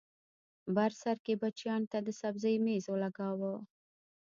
بر سر کې بچیانو ته د سبزۍ مېز ولګاوه